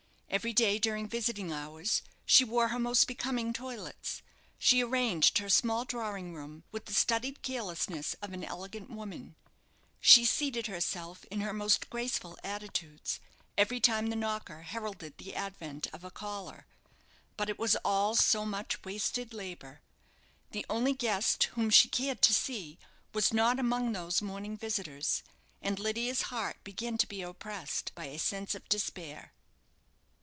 Every day during visiting hours she wore her most becoming toilets; she arranged her small drawing room with the studied carelessness of an elegant woman; she seated herself in her most graceful attitudes every time the knocker heralded the advent of a caller; but it was all so much wasted labour. The only guest whom she cared to see was not among those morning visitors; and Lydia's heart began to be oppressed by a sense of despair.